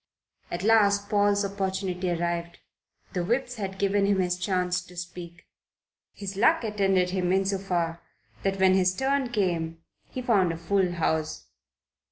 At last Paul's opportunity arrived. The Whips had given him his chance to speak. His luck attended him, in so far that when his turn came he found a full House.